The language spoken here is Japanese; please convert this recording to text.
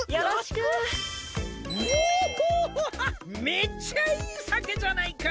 めっちゃいいさけじゃないか！